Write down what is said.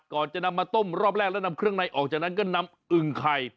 ก่อนจะนำมาต้มรอบแรกแล้วนำเครื่องในออกจากนั้นก็นำอึ่งไข่